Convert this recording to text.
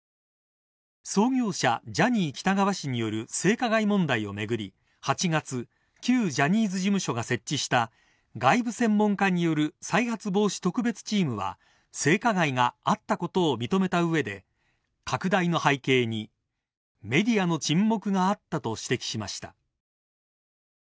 創業者ジャニー喜多川氏による性加害問題を巡り８月、旧ジャニーズ事務所が設置した外部専門家による再発防止特別チームは性加害があったことを認めたうえで拡大の背景にメディアの沈黙があったと指摘しました。